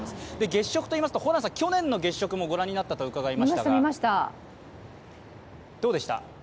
月食といいますと、去年の月食もご覧になったと伺いましたが、どうでした？